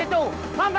kita harus ke rumah